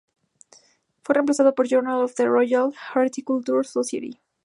Fue reemplazada por "Journal of the Royal Horticultural Society.